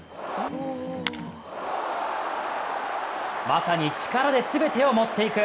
まさに、力で全てを持っていく！